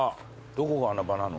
どこが穴場なの？